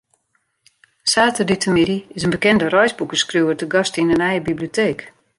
Saterdeitemiddei is in bekende reisboekeskriuwer te gast yn de nije biblioteek.